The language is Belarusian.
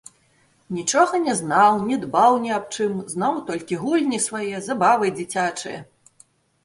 Нічога не знаў, не дбаў ні аб чым, знаў толькі гульні свае, забавы дзіцячыя.